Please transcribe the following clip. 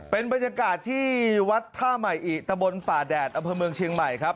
เป็นบรรยากาศที่วัดท่าใหม่อิตะบนฝ่าแดดอำเภอเมืองเชียงใหม่ครับ